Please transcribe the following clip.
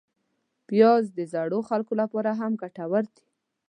پیاز د زړو خلکو لپاره هم ګټور دی